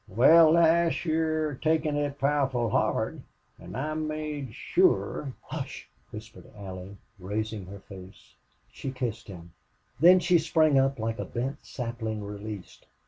"Wal, lass, hyar you're takin' it powerful hard an' I made sure " "Hush!" whispered Allie, raising her face. She kissed him. Then she sprang up like a bent sapling released.